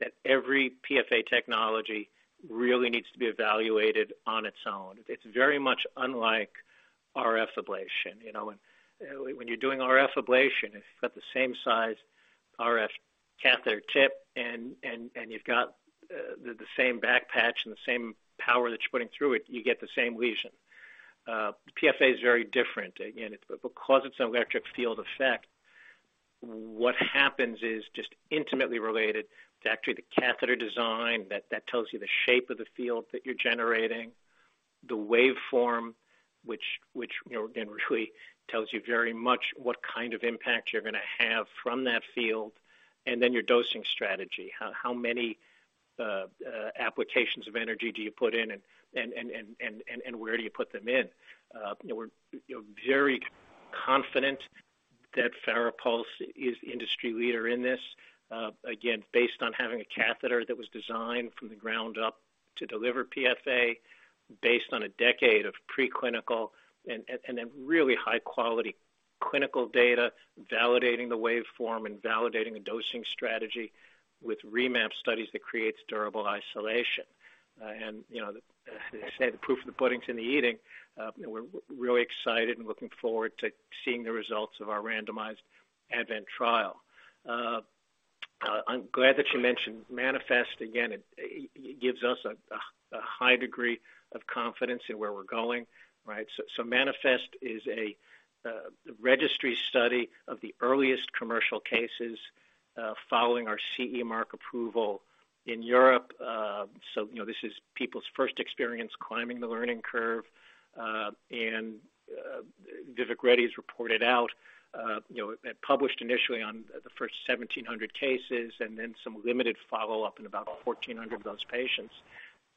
that every PFA technology really needs to be evaluated on its own. It's very much unlike RF ablation. You know, when you're doing RF ablation, if you've got the same size RF catheter tip and you've got the same back patch and the same power that you're putting through it, you get the same lesion. PFA is very different. Because it's an electric field effect, what happens is just intimately related to actually the catheter design that tells you the shape of the field that you're generating, the waveform, which, you know, again, really tells you very much what kind of impact you're gonna have from that field, and then your dosing strategy. How many applications of energy do you put in and where do you put them in? We're, you know, very confident that FARAPULSE is industry leader in this, again, based on having a catheter that was designed from the ground up to deliver PFA based on a decade of preclinical and really high quality clinical data, validating the waveform and validating the dosing strategy with remap studies that creates durable isolation. You know, as they say, the proof of the pudding's in the eating. We're really excited and looking forward to seeing the results of our randomized ADVENT trial. I'm glad that you mentioned MANIFEST. Again, it gives us a high degree of confidence in where we're going, right? MANIFEST is a registry study of the earliest commercial cases following our CE mark approval in Europe. You know, this is people's 1st experience climbing the learning curve. Vivek Reddy's reported out, you know, it published initially on the 1st 1,700 cases and then some limited follow-up in about 1,400 of those patients.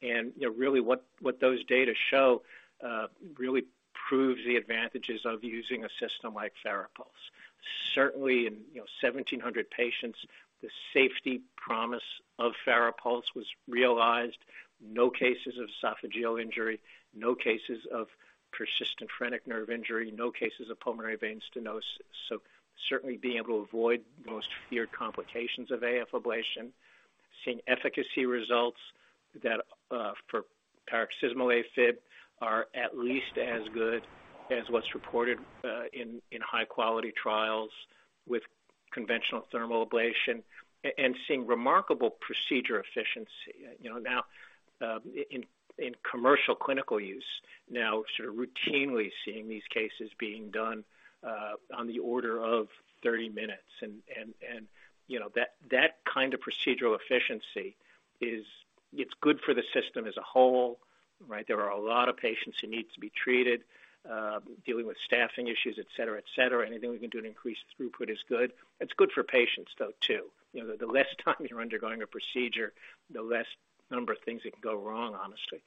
You know, really what those data show really proves the advantages of using a system like FARAPULSE. Certainly in, you know, 1,700 patients, the safety promise of FARAPULSE was realized. No cases of esophageal injury, no cases of persistent phrenic nerve injury, no cases of pulmonary vein stenosis. Certainly being able to avoid most feared complications of AF ablation. Seeing efficacy results that for paroxysmal AFib are at least as good as what's reported in high quality trials with conventional thermal ablation. Seeing remarkable procedure efficiency, you know, now in commercial clinical use. Now sort of routinely seeing these cases being done on the order of 30 min. You know, that kind of procedural efficiency is, it's good for the system as a whole, right? There are a lot of patients who need to be treated, dealing with staffing issues, et cetera, et cetera. Anything we can do to increase throughput is good. It's good for patients, though, too. You know, the less time you're undergoing a procedure, the less number of things that can go wrong, honestly.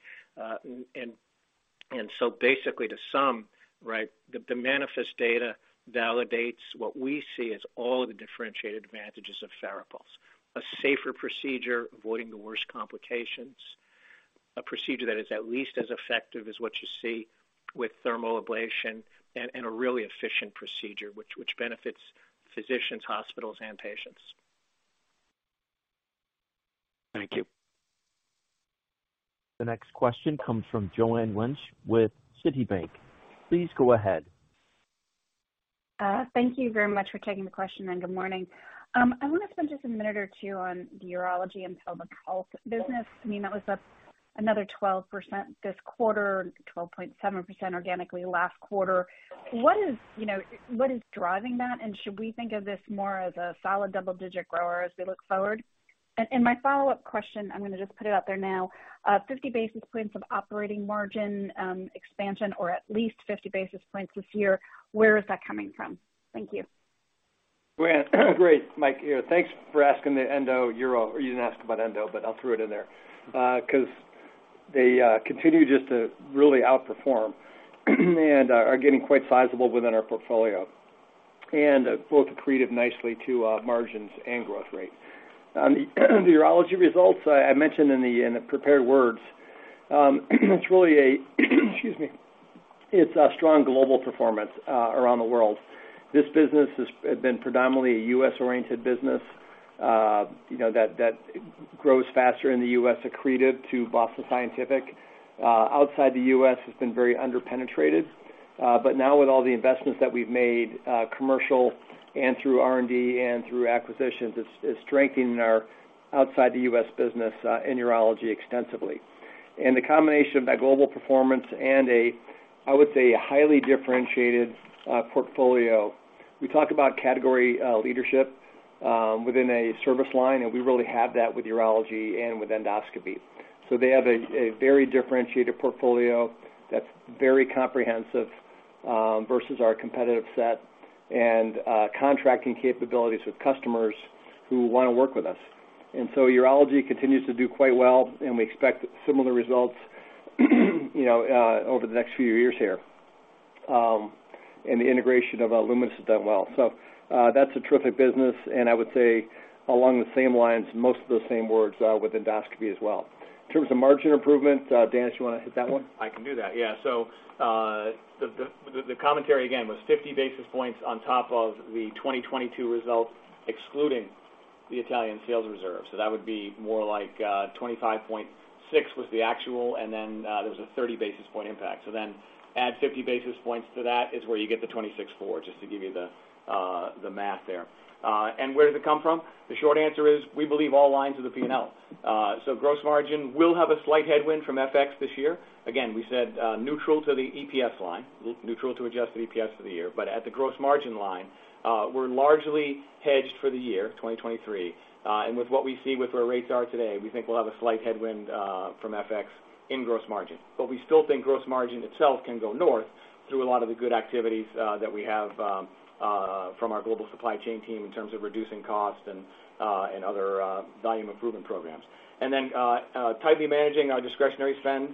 Basically to sum, right, the MANIFEST data validates what we see as all of the differentiated advantages of FARAPULSE. A safer procedure, avoiding the worst complications. A procedure that is at least as effective as what you see with thermal ablation and a really efficient procedure which benefits physicians, hospitals, and patients. Thank you. The next question comes from Joanne Wuensch with Citi. Please go ahead. Thank you very much for taking the question, good morning. I wanna spend just a minute or two on the urology and pelvic health business. I mean, that was up another 12% this quarter, 12.7% organically last quarter. What is, you know, what is driving that? Should we think of this more as a solid double-digit grower as we look forward? My follow-up question, I'm gonna just put it out there now, 50 basis points of operating margin expansion or at least 50 basis points this year. Where is that coming from? Thank you. Great. Mike here. Thanks for asking the endo euro. You didn't ask about endo, I'll throw it in there. 'Cause they continue just to really outperform and are getting quite sizable within our portfolio, and both accretive nicely to margins and growth rate. The urology results, I mentioned in the prepared words, Excuse me. It's a strong global performance around the world. This business have been predominantly a U.S. Oriented business, you know, that grows faster in the U.S., accreted to Boston Scientific. Outside the U.S., it's been very underpenetrated. Now with all the investments that we've made, commercial and through R&D and through acquisitions, it's strengthening our outside the U.S. business in urology extensively. The combination of that global performance and a, I would say, a highly differentiated portfolio. We talk about category leadership within a service line, and we really have that with urology and with endoscopy. They have a very differentiated portfolio that's very comprehensive versus our competitive set and contracting capabilities with customers who wanna work with us. Urology continues to do quite well, and we expect similar results, you know, over the next few years here, and the integration of Lumenis has done well. That's a terrific business. I would say along the same lines, most of those same words with endoscopy as well. In terms of margin improvement, Dan, do you wanna hit that one? I can do that. Yeah. The commentary again was 50 basis points on top of the 2022 results, excluding the Italian sales reserve. That would be more like 25.6 was the actual, and then there was a 30 basis point impact. Add 50 basis points to that is where you get the 26.4, just to give you the math there. Where does it come from? The short answer is, we believe all lines of the P&L. Gross margin will have a slight headwind from FX this year. Again, we said neutral to the EPS line, neutral to adjusted EPS for the year. At the gross margin line, we're largely hedged for the year 2023. With what we see with where rates are today, we think we'll have a slight headwind from FX in gross margin. We still think gross margin itself can go north through a lot of the good activities that we have from our global supply chain team in terms of reducing costs and other volume improvement programs. Then tightly managing our discretionary spend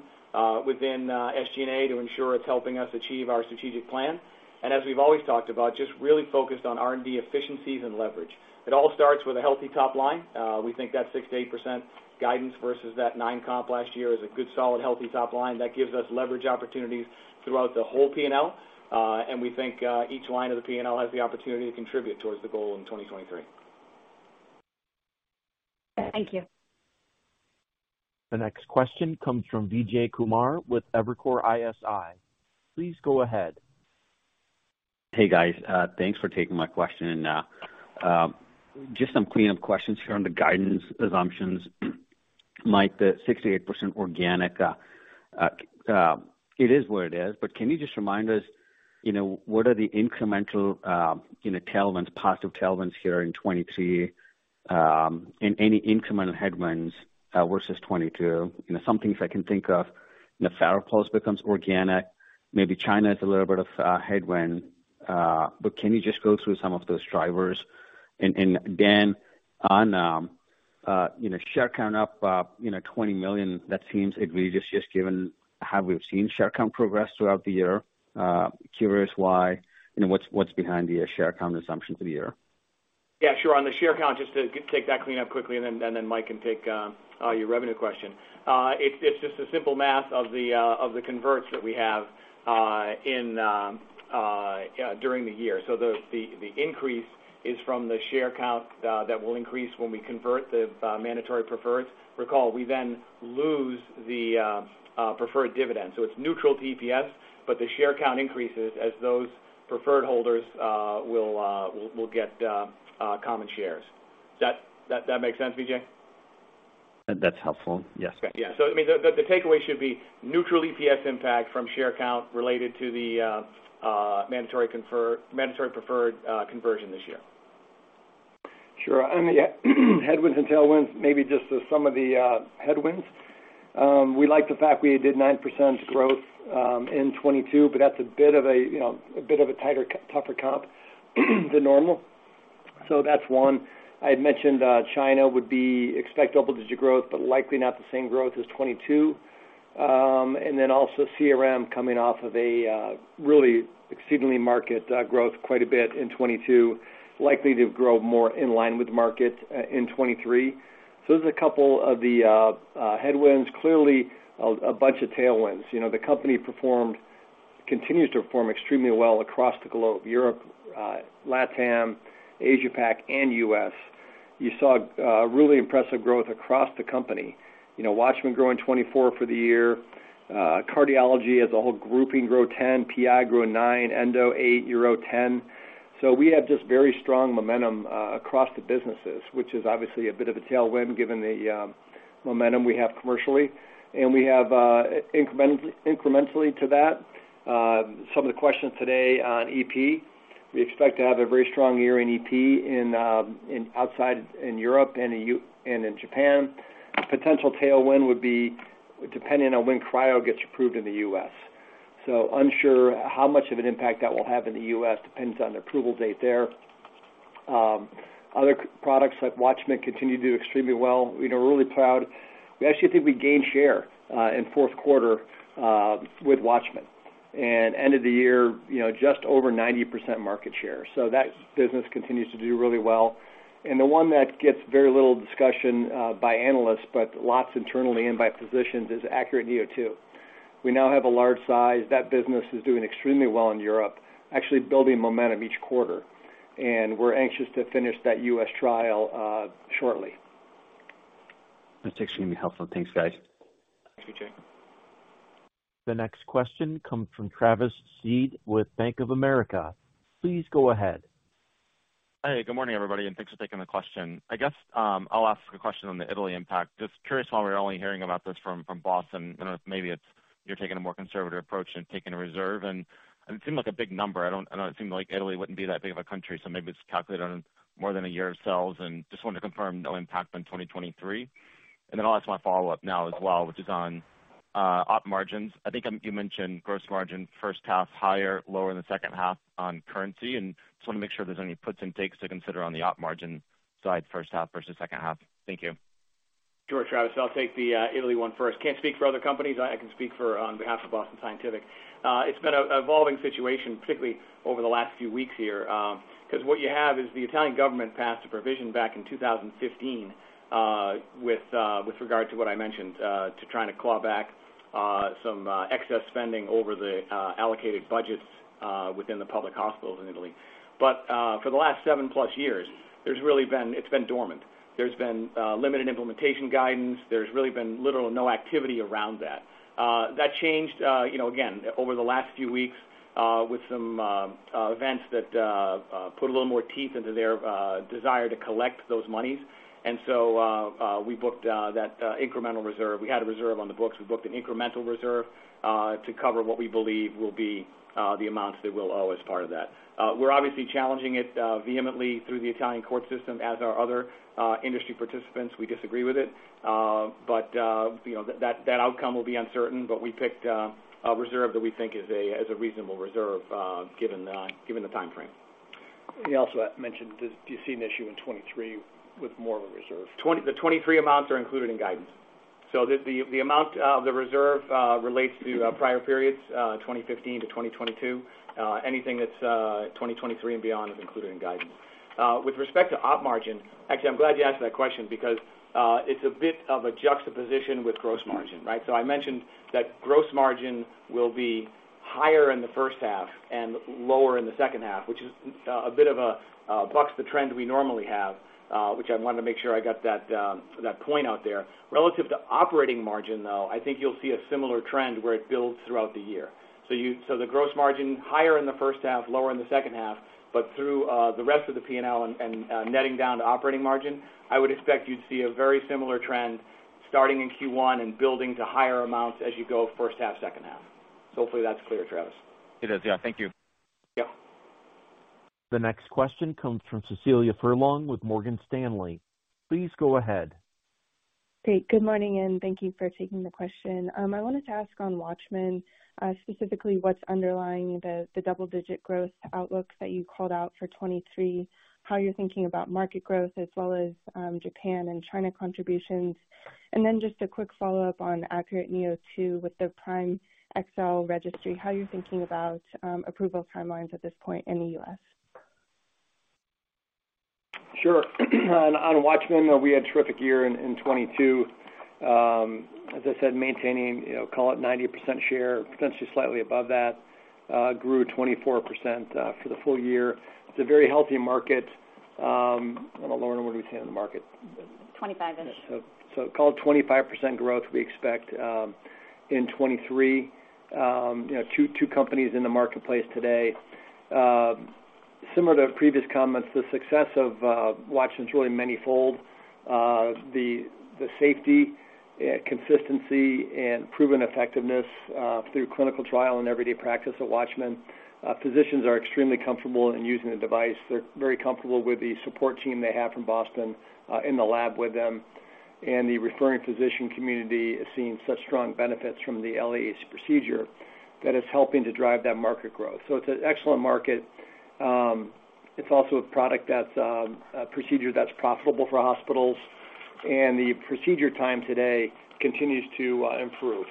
within SG&A to ensure it's helping us achieve our strategic plan. As we've always talked about, just really focused on R&D efficiencies and leverage. It all starts with a healthy top line. We think that 6%-8% guidance versus that nine comp last year is a good, solid, healthy top line that gives us leverage opportunities throughout the whole P&L.We think each line of the P&L has the opportunity to contribute towards the goal in 2023. Thank you. The next question comes from Vijay Kumar with Evercore ISI. Please go ahead. Hey, guys. Thanks for taking my question. Just some cleanup questions here on the guidance assumptions. Mike, the 68% organic, it is what it is, but can you just remind us, you know, what are the incremental, you know, tailwinds, positive tailwinds here in 2023, and any incremental headwinds versus 2022? You know, some things I can think of, you know, FARAPULSE becomes organic. Maybe China is a little bit of a headwind. Can you just go through some of those drivers? Dan, on, you know, share count up, you know, $20 million, that seems egregious just given how we've seen share count progress throughout the year. Curious why, you know, what's behind the share count assumption for the year? Yeah, sure. On the share count, just to take that clean up quickly, and then Mike can take your revenue question. It's just a simple math of the converts that we have during the year. The increase is from the share count that will increase when we convert the mandatory preferred. Recall, we then lose the preferred dividend. It's neutral to EPS, but the share count increases as those preferred holders will get common shares. That makes sense, Vijay? That's helpful. Yes. Okay. Yeah. I mean, the takeaway should be neutral EPS impact from share count related to the mandatory preferred conversion this year. Sure. On the headwinds and tailwinds, maybe just some of the headwinds. We like the fact we did 9% growth in 2022, but that's a bit of a, you know, a bit of a tougher comp than normal. That's one. I had mentioned China would be expect double digit growth, but likely not the same growth as 2022. Also CRM coming off of a really exceedingly market growth quite a bit in 2022, likely to grow more in line with market in 2023. Those are a couple of the headwinds. Clearly a bunch of tailwinds. You know, the company continues to perform extremely well across the globe, Europe, LATAM, Asia Pac, and U.S.. You saw really impressive growth across the company. You know, WATCHMAN growing 2024 for the year. Cardiology as a whole grouping grow 10%, PI grew 9%, Endo 8%, Euro 10%. We have just very strong momentum across the businesses, which is obviously a bit of a tailwind given the momentum we have commercially. We have incrementally to that, some of the questions today on EP. We expect to have a very strong year in EP outside in Europe and in Japan. Potential tailwind would be dependent on when Cryo gets approved in the U.S. Unsure how much of an impact that will have in the U.S., depends on the approval date there. Other products like WATCHMAN continue to do extremely well. You know, we're really proud. We actually think we gained share in 4th quarter with WATCHMAN. End of the year, you know, just over 90% market share. That business continues to do really well. The one that gets very little discussion, by analysts, but lots internally and by physicians is ACURATE neo2. We now have a large size. That business is doing extremely well in Europe, actually building momentum each quarter, and we're anxious to finish that U.S. trial, shortly. That's extremely helpful. Thanks, guys. Thank you, Vijay. The next question comes from Travis Steed with Bank of America. Please go ahead. Hey, good morning, everybody, thanks for taking the question. I guess, I'll ask a question on the Italy impact. Just curious why we're only hearing about this from Boston. I don't know if maybe it's you're taking a more conservative approach and taking a reserve, and it seemed like a big number. I don't think like Italy wouldn't be that big of a country, so maybe it's calculated on more than a year of sales. Just wanted to confirm no impact on 2023. Then I'll ask my follow-up now as well, which is on op margins. I think, you mentioned gross margin 1st half higher, lower in the 2nd half on currency, just want to make sure if there's any puts and takes to consider on the op margin side, 1st half versus 2nd half. Thank you. Sure, Travis. I'll take the Italy one 1st. Can't speak for other companies. I can speak for on behalf of Boston Scientific. It's been a evolving situation, particularly over the last few weeks here, because what you have is the Italian government passed a provision back in 2015, with regard to what I mentioned, to trying to claw back some excess spending over the allocated budgets within the public hospitals in Italy. For the last 7+ years, It's been dormant. There's been limited implementation guidance. There's really been little or no activity around that. That changed, you know, again, over the last few weeks, with some events that put a little more teeth into their desire to collect those monies. We booked that incremental reserve. We had a reserve on the books. We booked an incremental reserve to cover what we believe will be the amounts that we'll owe as part of that. We're obviously challenging it vehemently through the Italian court system as are other industry participants. We disagree with it. You know, that outcome will be uncertain, but we picked a reserve that we think is a reasonable reserve given the time frame. You also mentioned, do you see an issue in 2023 with more of a reserve? The 2023 amounts are included in guidance. The amount of the reserve relates to prior periods, 2015 to 2022. Anything that's 2023 and beyond is included in guidance. With respect to op margin, actually, I'm glad you asked that question because it's a bit of a juxtaposition with gross margin, right? I mentioned that gross margin will be higher in the 1st half and lower in the 2nd half, which is a bit of a bucks the trend we normally have, which I wanted to make sure I got that point out there. Relative to operating margin, though, I think you'll see a similar trend where it builds throughout the year. The gross margin higher in the 1st half, lower in the 2nd half, but through the rest of the P&L and netting down to operating margin, I would expect you to see a very similar trend starting in Q1 and building to higher amounts as you go 1st half, 2nd half. Hopefully that's clear, Travis. It is. Yeah. Thank you. Yep. The next question comes from Cecilia Furlong with Morgan Stanley. Please go ahead. Great. Good morning, and thank you for taking the question. I wanted to ask on WATCHMAN, specifically what's underlying the double-digit growth outlook that you called out for 2023, how you're thinking about market growth as well as Japan and China contributions. Then just a quick follow-up on ACURATE neo2 with the PRIME XL registry, how you're thinking about approval timelines at this point in the U.S. Sure. On WATCHMAN, we had a terrific year in 2022. As I said, maintaining, you know, call it 90% share, potentially slightly above that, grew 24% for the full year. It's a very healthy market. Lauren, what did we say on the market? 25-ish. Call it 25% growth we expect in 2023. You know, two companies in the marketplace today. Similar to previous comments, the success of WATCHMAN's really manyfold. The safety, consistency and proven effectiveness through clinical trial and everyday practice at WATCHMAN, physicians are extremely comfortable in using the device. They're very comfortable with the support team they have from Boston, in the lab with them. The referring physician community is seeing such strong benefits from the LAA procedure. That is helping to drive that market growth. It's an excellent market. It's also a product that's a procedure that's profitable for hospitals. The procedure time today continues to improve,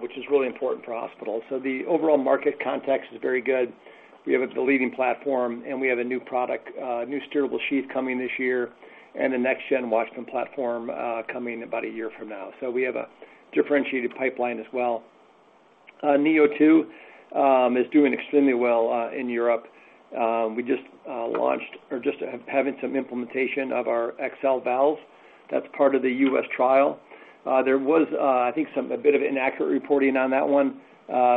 which is really important for hospitals. The overall market context is very good. We have a leading platform, and we have a new product, new steerable sheath coming this year and the next-gen WATCHMAN platform coming about a year from now. We have a differentiated pipeline as well. Neo2 is doing extremely well in Europe. We just launched or just having some implementation of our XL valve that's part of the U.S. trial. There was, I think a bit of inaccurate reporting on that one.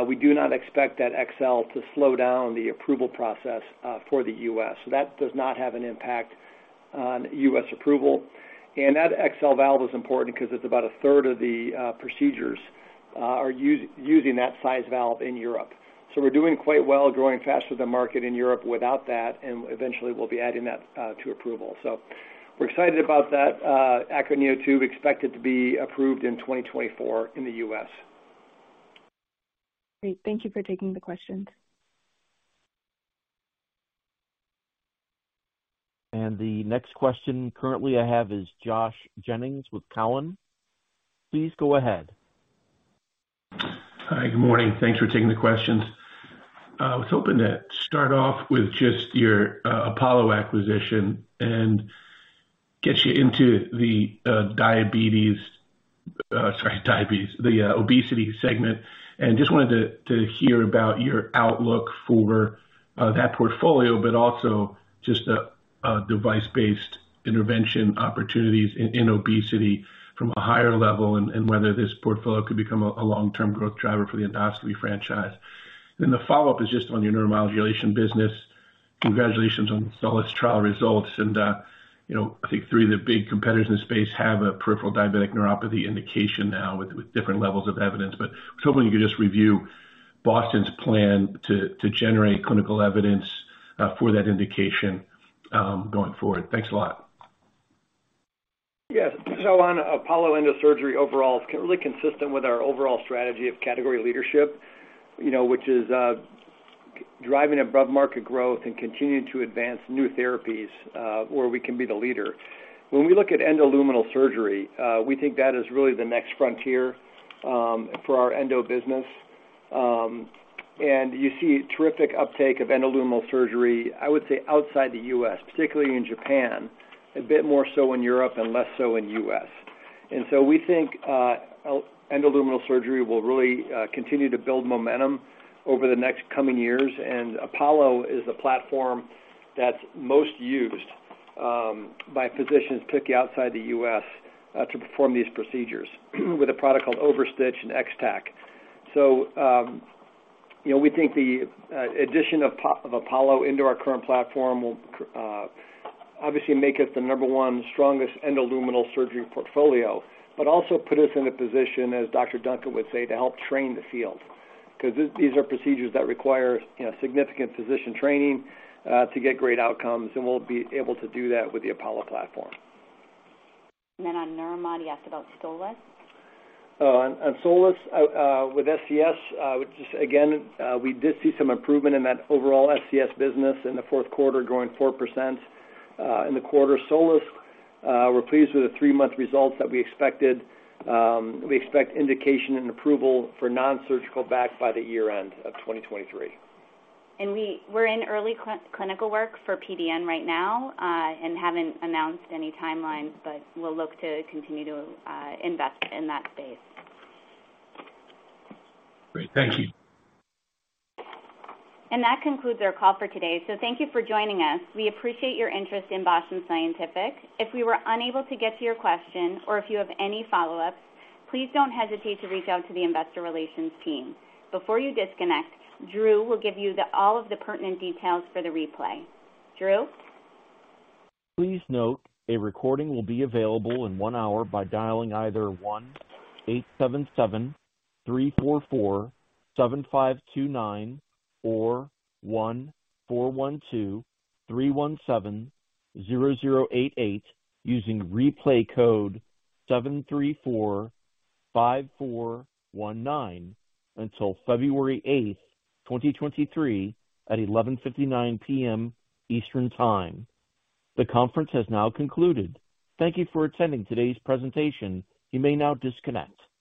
We do not expect that XL to slow down the approval process for the U.S. That does not have an impact on U.S. approval. That XL Valve is important because it's about a 3rd of the procedures are using that size valve in Europe. We're doing quite well, growing faster than market in Europe without that, and eventually we'll be adding that to approval. We're excited about that. ACURATE neo2 expected to be approved in 2024 in the U.S. Great. Thank you for taking the questions. The next question currently I have is Josh Jennings with TD Cowen. Please go ahead. Hi. Good morning. Thanks for taking the questions. I was hoping to start off with just your Apollo acquisition and get you into the diabetes, the obesity segment. Just wanted to hear about your outlook for that portfolio, but also just the device-based intervention opportunities in obesity from a higher level, and whether this portfolio could become a long-term growth driver for the endoscopy franchise. The follow-up is just on your neuromodulation business. Congratulations on SOLIS trial results. You know, I think three of the big competitors in the space have a peripheral diabetic neuropathy indication now with different levels of evidence. I was hoping you could just review Boston's plan to generate clinical evidence for that indication going forward. Thanks a lot. Yes. On Apollo Endosurgery overall is really consistent with our overall strategy of category leadership, you know, which is driving above market growth and continuing to advance new therapies where we can be the leader. When we look at endoluminal surgery, we think that is really the next frontier for our endo business. You see terrific uptake of endoluminal surgery, I would say, outside the U.S., particularly in Japan, a bit more so in Europe and less so in U.S. We think endoluminal surgery will really continue to build momentum over the next coming years. Apollo is the platform that's most used by physicians, particularly outside the U.S., to perform these procedures with a product called OverStitch and X-Tack. You know, we think the addition of Apollo into our current platform will obviously make us the number one strongest endoluminal surgery portfolio, but also put us in a position, as Dr. Duncan would say, to help train the field. 'Cause these are procedures that require, you know, significant physician training to get great outcomes, and we'll be able to do that with the Apollo platform. On Neuromod, you asked about SOLIS. On SOLIS, with SCS, which is again, we did see some improvement in that overall SCS business in the 4th quarter, growing 4% in the quarter. SOLIS, we're pleased with the three-month results that we expected. We expect indication and approval for non-surgical back by the year-end of 2023. We're in early clinical work for PDN right now, and haven't announced any timelines, but we'll look to continue to invest in that space. Great. Thank you. That concludes our call for today. Thank you for joining us. We appreciate your interest in Boston Scientific. If we were unable to get to your question or if you have any follow-ups, please don't hesitate to reach out to the investor relations team. Before you disconnect, Drew will give you all of the pertinent details for the replay. Drew? Please note a recording will be available in one hour by dialing either 1-877-344-7529 or 1-412-317-0088 using replay code 7345419 until February 8th, 2023 at 11:59 P.M. Eastern Time. The conference has now concluded. Thank you for attending today's presentation. You may now disconnect.